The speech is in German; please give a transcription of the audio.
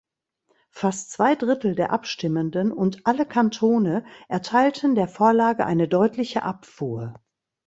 Fast zwei Drittel der Abstimmenden und alle Kantone erteilten der Vorlage eine deutliche Abfuhr.